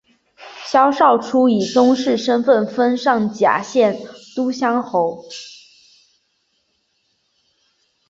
萧韶初以宗室身份封上甲县都乡侯。